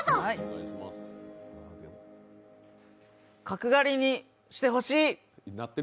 角刈りにしてほしい。